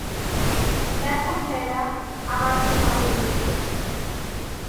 দেখো ভাইয়েরা, আমার একটা সহজ নীতি আছে।